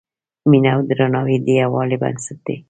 مینه او درناوی د یووالي بنسټ دی.